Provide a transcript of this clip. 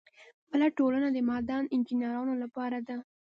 بله ټولنه د معدن انجینرانو لپاره ده.